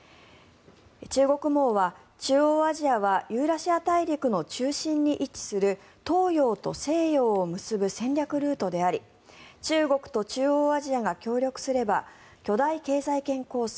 中国網は、中央アジアはユーラシア大陸の中心に位置する東洋と西洋を結ぶ戦略ルートであり中国と中央アジアが協力すれば巨大経済圏構想